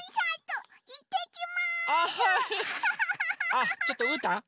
あっちょっとうーたん